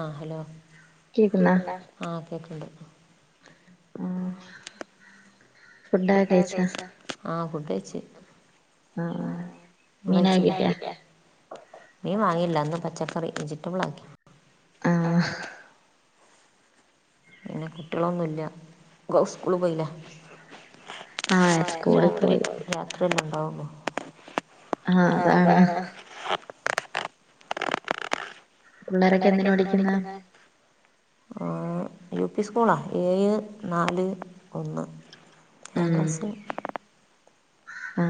ആഹ് hello ആഹ് കേക്ക്ണ്ട് ആഹ് ആഹ് ഫുഡ്‌ ശ മുളച്ച മീൻ വാങ്ങയില്ലന്ന് പച്ച കറി വെജിറ്റബിള ആഹ് പിന്നെ കുട്ടികളൊന്നുല്ല ഓ സ്കൂള് പോയില്ല [unintelligible] [unintelligible] ആ അതാണ് പിള്ളേരൊക്കെ എന്തിന് പഠിക്കുന്നെ യു പി സ്കൂളാ ഏഴ്, നാല്, ഒന്ന്. ഞങ്ങടെ സ്കൂ ആ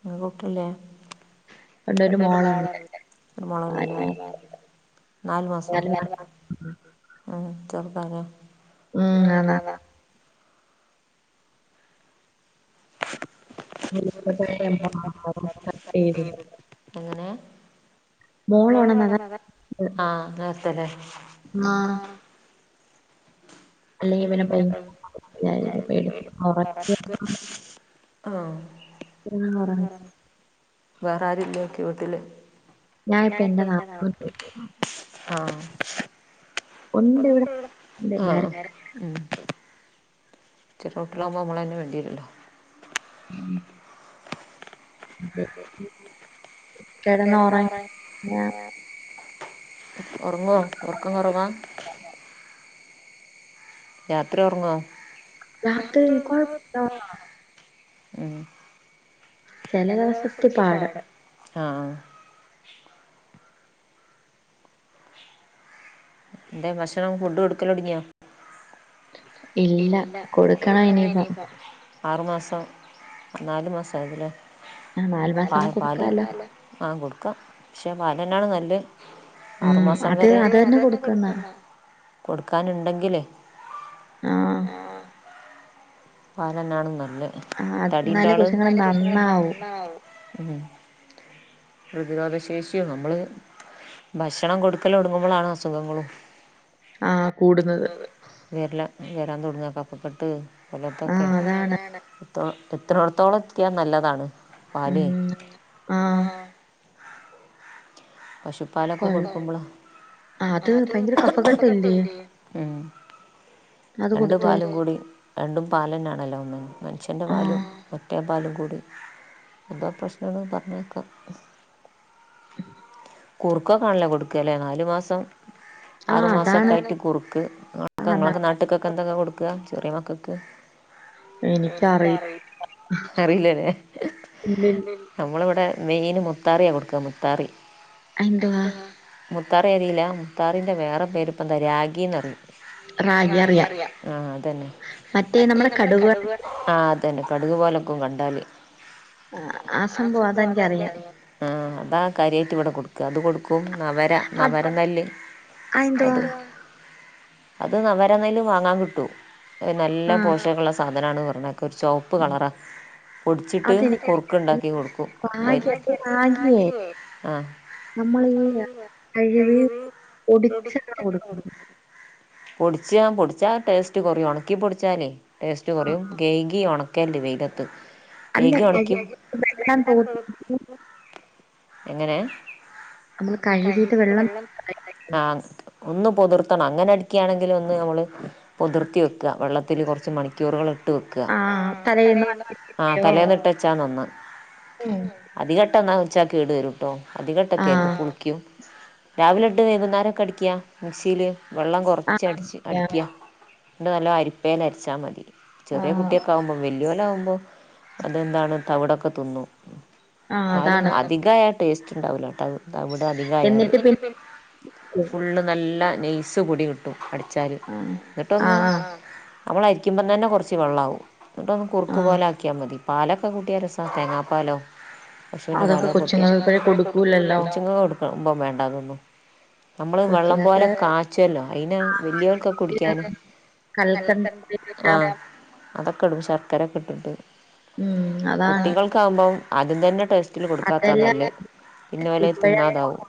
[unintelligible] [unintelligible] [unintelligible] ഉം അതാ എങ്ങനെ [unintelligible] അല്ലെങ്കിൽ പിന്നെ ഭയ ഞാ പേടി ആ [unintelligible] വേറാരുല്ലേ ക്ക്യ വീട്ടില് ഞാനിപ്പ ഇന്റെനാത്തൂ ആ ആ ഉം ചെറിയകുട്ടികളാകുമ്പംനമ്മള് തന്നെ വേണ്ട്യെരോലോ? കെടന്ന് ഒറങ്ങ ഒറങ്ങുവോ? ഒറക്കം കൊറവാ? രാത്രി ഒറങ്ങോ? രാത്രി [unintelligible] ഉം ചില ദിവസത്തിപാട് ആഹ് എന്തേ ഭക്ഷണം ഫുഡും കൊടുക്കലൊട്ങ്ങിയോ? ഇല്ല കൊടുക്കണം ഇനിയിപ്പം ആറു മാസം നാലു മാസം ആയില്ലേ പാല് ആ കൊടുക്കാം. പഷെ പാലെന്നാണ് നല്ലെ ആറുമാസം വരെ കൊടുക്കാനുണ്ടെങ്കില് പാലന്നാണ് ന തടിണ്ടാള് ഹം പ്രതിരോധഷേശ് യോ നമ്മള് ഭക്ഷണം കൊടുക്കലൊടുങ്ങുമ്പളാണ് അസുഖങ്ങളും ആഹ് കൂടുന്നത് വരാൻ തൊട്ങ്ങ കഫ കെട്ട് അലതൊക്കെ തോളം എത്ത്ണോട്ത്തോളെത്ത്യാ നല്ലതാണ് ഉം ആഹ് പശുപ്പാലൊക്കെ കൊടുക്കുമ്പള ഉം രണ്ടു പാലും കൂടി രണ്ടും പാലന്നാണ് നല്ലോന്ന് മനഷ്യൻ്റെ പാലും മറ്റേപാലും ഒരു എന്താ പ്രശ്ന പറഞ്ഞേക്കാം കൂർകൊക്കാൺലേ കൊടുക്കാലേ നാല് മാസം ആറുമാസൊക്കായിട്ട് കുർക്ക് ഇങ്ങളൊക്കെ നാട്ടക്കൊക്കെ എന്തൊക്ക കൊടുക്ക ചെറിയ മക്കക്ക് അറീലലേ നമ്മളെവ്ടെ മെയിന് മുത്താറിയാ കൊടുക്കാ മുത്താറി അ എന്തുവാ മു മുത്താറി അറിയില്ല മുത്താറിൻ്റെ വേറെ പേര്പ്പ എന്താ രാഗിന്നാറിയും റാഗി അറിയാം ആ അതെന്നെ മറ്റേ നമ്മടെ കടുവ അതന്നെ കടുകുപോലെക്കും കണ്ടാല് അ ആ സംഭവം അതെൻക്കെറിയാം അഅാ കാര്യായിട്ട് ഇവിടെ കൊടു [inaudible] [unintelligible] അത് കൊടു കും നവര നവര നെല്ലി അതും അത് നവരനെല്ല് വാങ്ങാൻ കിട്ടും അഅ് നല്ല പോഷകള്ള സാധ [unintelligible] ചോപ്പ് കളറാ പൊടിച്ചിട്ട് കുറുക്ക് ഉണ്ടാക്കി കൊടുക്കും ആ നമ്മള് ഈ കഴിവ് പൊടിച്ചാണോ കൊടുക്കുന്നത് പൊടിച്ച്‌യാ പൊടിച്ചാ ടേസ്റ്റ് കുറയും ഉണക്കി പൊടിച്ചാലേ ടേസ്റ്റ് കുറയും കൈയ്കി ഒണ ക്കെണ്ട് വെയിലത്ത് അല്ല [inaudible] എങ്ങനെ അമ്മള് കഴികട്ട് വെള്ളം [inaudible] ആ ഒന്ന് പൊതിർത്തണം അങ്ങനെ അടിക്കാണെങ്കിൽ ഒന്ന് നമ്മള് പൊതിർത്തി വെക്ക്ആ വെള്ളത്തില് കൊറച്ച് മണിക്കൂറുകള് ട്ട് വെക്ക്ആ ആ ആ തലേന്ന് ആ തലേന്ന് ഇട്ട്ച്ചാ നന്ന് ഉം അധികട്ടന്നാ ച്ച കേട് വരും ട്ടോ അധികട്ടെക്കേര്ത് ആ പുളിക്കും രാവിലെ ഇട്ട് വൈകുന്നേരക്ക അടിക്കിയാ മിക്സിയില് വെള്ളം കൊറച്ച് അടിച്ച് അടിക്കിയ ണ്ട് നല്ല അരിപ്പേൽ അരിച്ചാ മതി ചെറിയ കുട്ടിയൊക്കെ ആവുമ്പൊ വല്യോ [unintelligible] മ്പോ അതെന്താണ് തവിടൊക്കെ തിന്നും ന്നാലും അധികായ ടേസ്റ്റ് ഉണ്ടാവൂല [unintelligible] തവിട് അധികായാല് എന്നിട്ട് പി ഫുള്ള് നല്ല നൈയ്സ് പൊടി കിട്ടും പഠിച്ചാല് ന്നിട്ടൊന്ന് അവള ക്കുമ്പ തന്നെ കൊർച്ച് വെള്ളാവും ന്നിട്ടൊന്ന് കുറുക്ക് പോലാക്ക്യാ മതി പാലൊക്കെ കൂട്ട്യാ രസാ തേങ്ങാപ്പാലോ അതൊക്കെ കൊച്ചുങ്ങൾ ഇപ്പഴെ കൊടുക്ക് കൊച്ച്ങ്ങളൊട് [unintelligible] വേണ്ടാകുന്നു നമ്മള് വെള്ളം പോലെ കാ ച്ചല്ലോ അയിന വല്ല്യോൽകൊക്കുടിക്കാന് ആഹ് അതൊക്കെ ഇടും ശർക്കരൊക്കെ ഇട്ടിട്ട് കുട്ടികൾക്കാവുമ്പം അതും തന്നെ ടെസ് [unintelligible] കൊടുക്കാത്ത നല്ലേ പിന്നെ വലെ തിന്നാതാവും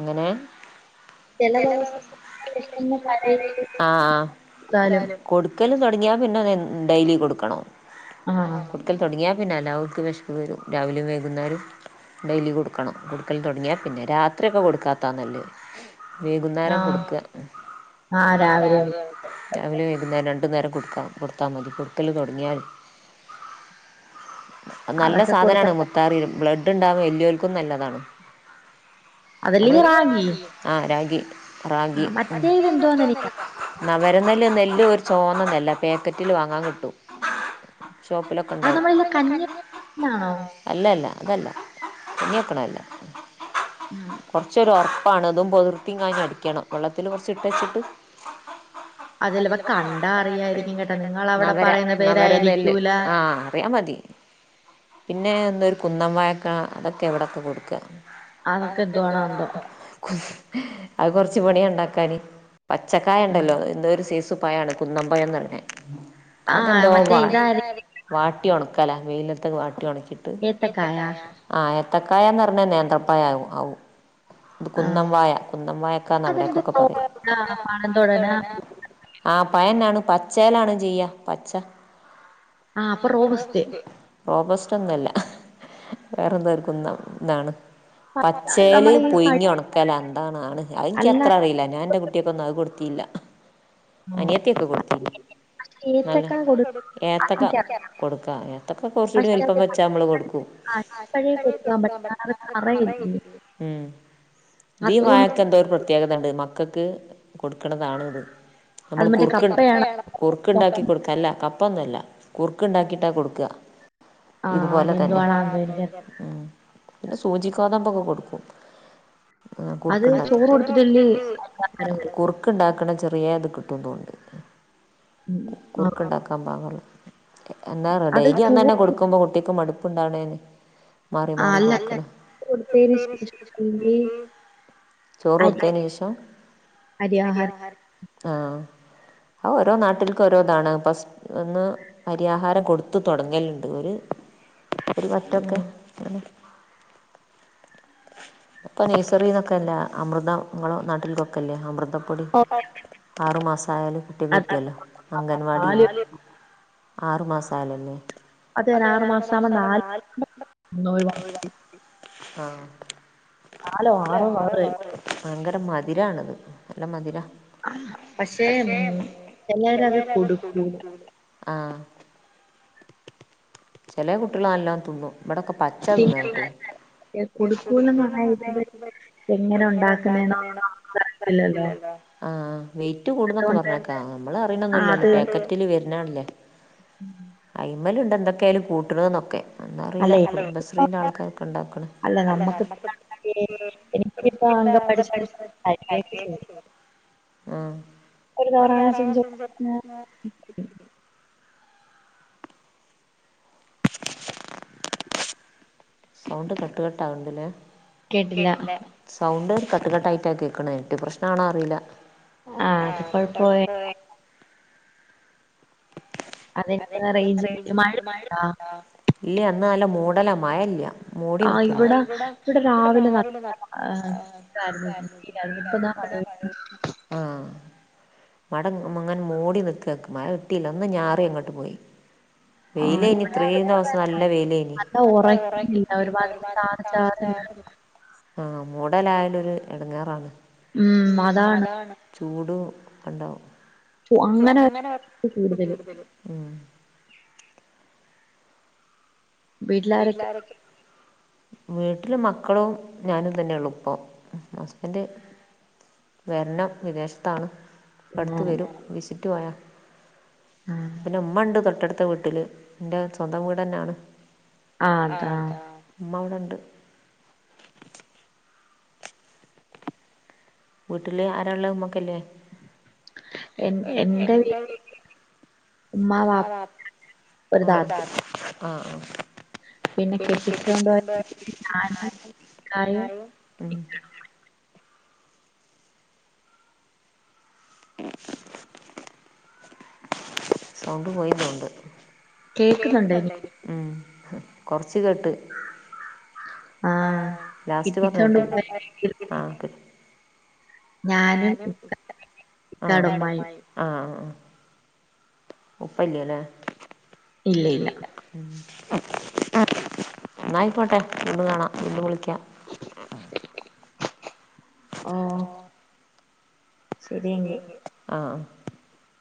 എങ്ങനെ ആ ആ കൊട് ക്കലും തൊട്ങ്ങിയാ പിന്നെ ഡെയിലി കൊടുക്കണോ കൊട്ക്കല് തൊട്ങ്ങ്യാ പിന്നെ അല്ല ഓൽക്ക് വെഷ്പ്പ് വരും രാവിലിറ വേകുന്നേരും ഡെയിലി കൊടുക്കണം കൊടുക്കൽ തൊടങ്ങിയാൽ പിന്നെ രാത്രിയൊക്കെ കൊടുക്കാത്താന്നല്ലേ വെയ്കുന്നേരം കൊടുക്ക രാവിലെ വൈകുന്നേര ണ്ട് നേരം കൊട്ക്കണം കൊട്ക്കല് തൊടങ്ങ്യാല് നല്ല സാധനാണ് മുത്താറിയിം ബ്ലഡ്ഡ് ഇണ്ടാവും വെല്ല്യോൽക്കും നല്ലതാണ് അത് ആഹ് രാഗി രാഗി നവര നെല്ല് നെല്ല് ഒര് ചോന്ന നെല്ല പാക്കെറ്റില് വാങ്ങാൻ കിട്ടൂ ഷോപ്പിലൊക്കെ ഇണ്ടാവും അല്ല അല്ല അതല്ല കുഞ്ഞ്യെക്ക്ണല്ല കൊർച്ചൊരൊർ പണതും പൊതിർത്തിം കഴിഞ് അടിക്കണം വെള്ളത്തിൽ കൊറച്ച് ഇട്ടച്ചിട്ട് അതല്ല പ കണ്ടാ അറിയായിരിക്കും കേട്ടാ നിങ്ങവിടെ പറയുന്ന പേരായിരിക്കൂല [unintelligible] പിന്നെ ഒന്നൊരു കുന്നം വായക്ക അതൊക്കെ ഇ വിടെയൊക്കെ കൊടുക്ക അതൊക്കെ ദോണന്ത അത് കൊർച്ച് പണിയാ ഇ ണ്ടാക്കാന് പച്ചക്കായ ണ്ടല്ലോ എന്തോ ഒരു സീസ പഴാണ് കുന്നം പഴന്ന് പറിണേ അതെന്തോ വ വാട്ടി ഉണക്കല വെയി [unintelligible] വാട്ടി ഓണക്കി ട്ട് ആ ഏത്ത ഏത്തക്കായ ന്നറഞ്ഞ നേന്ത്രപ്പായ ആവും ഇത് കുന്നം വായ കുന്നം വായക്കാന്ന് ഇവിടക്കൊക്കെ പറയ പഴം ന്നാണ് പച്ചയിലാണ് ചെയ്യ. പച്ച ആ അപ്പൊ റോബസ്റ്റ് റോബസ്റ്റ് ഒന്നുംല്ല വേറെന്തക്കും ന്നാണ് പച്ചേല് പുയിങ്ങി ഉണക്കല ന്തോണ് ആണ് അത് എനിക്ക് അത്ര അറിയില്ല ഞാൻ എൻ്റെ കു കുട്ടിയക്കൊന്നും അത് കൊടുത്തീല അനിയത്തിയൊക്കെ കൊടുത്തു നല്ല ഏത്തക്ക കൊടുക്കാ ഏത്തക്ക കുറച്ചൂടി വലുപ്പം വെച്ചാ നമ്മള് കൊടുക്കും മം ദി വാഴക്ക് എന്തോ ഒരു പ്രത്യേകത ഉണ്ട് മക്കക്ക് ക്ക് കൊടുക്കണതാണിത് നമ്മള് കുറുക്ക കുറുക്ക് ഉണ്ടാക്കി കൊടുക്ക അല്ല കപ്പൊന്നും അല്ല കുറുക്ക് ഉണ്ടാക്കിയിട്ട കൊടുക്ക ഇതുപോലെ തന്നെ ഉം. പിന്നെ സൂചിഗോതമ്പോക്കെ കൊടുക്കും ആ കുറുക്കുണ്ടാക്കിട്ട് കുറുക്കുണ്ടാക്കണ ചെറ [unintelligible] [unintelligible] കുറുക്കുണ്ടാക്കാൻ പാകമു- എന്താന്നോ ഡെയ്ലി അതെന്നെ കൊടുക്കുമ്പോ കുട്ടി മടുപ്പുണ്ടാവണേ മാറി മാറി കൊടുക്കണ ചോറ് കൊടുത്തേന് ശേഷം ആ ആ ഓരോ നാട്ടിലേക്കും ഓരോ ഇതാണ് ഫസ് ഒന്ന് അരിയാഹാരം കൊടുത്തു തുടങ്ങലുണ്ട് ഒരു ഒരു വറ്റൊക്കെ ഇപ്പൊ നഴ്‌സറിന്നൊക്കെല്ലേ അമൃതം ഇങ്ങളെ നാട്ടില് കൊടുക്കല്ലേ അമൃ അമ്യതംപ്പൊടി ആറു മാസം യാലും കുട്ടിക്കു കിട്ടുലോ അംഗൻവാടിന്ന് ആറു മാസമായാൽ അല്ലേ അതെന്നെ ആറുമാസം ആവുമ്പോ നാല് മാ [inaudible] ആ നാലോ ആറോ ആറ് ഭയങ്കര മധുരാണത് ആ പക്ഷെ പക്ഷേ മം എല്ലാരും അതേ കൊടുക്കൂലാ ചില കുട്ടികൾ നല്ലോണം തിന്നും ഇവിടെക്കെ പച്ച തിന്നു ആ വെയ്റ്റ റ്റ് കൂടുന്നതൊക്കെ പറഞ്ഞേക്ക നമ്മള് അറിയണനിലാലോ പാക്കറ്റിൽ വര നാണല്ലേ ഉം അമ്മേലുണ്ട് എന്തൊക്കെയായാലും കൂട്ടണൊന്ന് ഒക്കെ എന്നറിയൂല കുടുംബശ്രീലെ ആൾക്കാരൊക്കെ ഉണ്ടാക്കണ് ആ ഒരു കവറാണോ ചോഞ്ചോ ന്താ സൗണ്ട് കട്ട് കട്ട് ആവണിണ്ടല്ലേ കേട്ടില്ലേ സൗണ്ട് കട്ടുകട്ടായിട്ടാ കേക്കണേ ൻ്റെ പ്രശ്നാണോ അറിയില്ല ആ കുഴപ്പവെ അത് എത്ര റേഞ്ച് കിട്ടും മഴയുണ്ടോ ഇല്ല അന്ന് നല്ല മൂടല മഴയില്ല മൂടി നിക്കുന്ന് ഇവിടെ ഇവിടെ രാവിലെ നല്ല ഇതാരുന്നു വെയിലാരുന്നു ഇപ്പ ദാ മഴ പെയ്യുന്നു ആ മട അങ്ങനെ മൂടി നിക്ക മഴ കിട്ടീല്ല ഒന്ന് ഞാറി അങ്ങട്ട് പോയി വെയില് കഴിഞ്ഞ് ഇത്രം ദിവസം നല്ല വെയിലാരുന്ന് നല്ല വേറെ ഒരുമാതിരി ചാറി ചാറി ആ മൂഡലായാല് ഒരു ഇടങ്ങേറാണ് ഉം അതാണ് ചൂടും ഒക്കെ ഉണ്ടാവും ഓ അങ്ങനെ ക്ക കൂടുതല് വീട്ടിലാരൊക്കെ വീട്ടില് മക്കളും ഞാനും തന്നെയുള്ളൂ ഇപ്പം, ഹസ്ബന്റ് വരണം വിദേശത്താണ്. അടുത്ത് വരും വിസ് [unintelligible] പോയ പിന്നെ ഉമ്മ ണ്ട് തൊട്ടടുത് ഇത്ത വീട്ടില് എന്റെ സ്വന്തം വീട് തന്നാണ്. ആ അത ഉമ്മ ഇവിടൊട് ണ്ട് വീട്ടില് ആരാ ള്ളേ ഉമ്മക്കല്ലേ? എ എന്റെ വീട്ടില് ഉമ്മ, വാപ്പ ആ ഒരു താത്തോം. ആ ആ പിന്നെ കെട്ടിച്ചോണ്ട് പോയടത്ത് പിന്നെ ഞാനും ഇക്കായും പിന്നെ [unintelligible] സൗണ്ട് പോയെന്ന് തോണ്ട്. കേക്കുന്നുണ്ടേന് കൊറച്ച് കേട്ട് [unintelligible] ഞാനും ഇക് ഇക്കാടെ ഉമ്മായും. ഉപ്പ ഇല്ല്യല്ലേ. ഇല്ല ഇല്ല. നന്നായിപ്പോട്ടെ നിന്നു കാണാം [unintelligible] വിളി [unintelligible] ആ ശരിയങ്കെ ആ ആഹ്